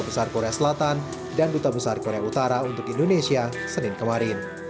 besar korea selatan dan duta besar korea utara untuk indonesia senin kemarin